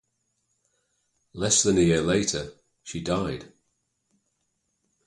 Less than a year later, she died.